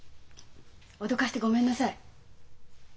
驚かしてごめんなさい。